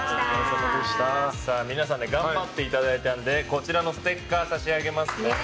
皆さんで頑張っていただいたのでこちらのステッカー差し上げますね。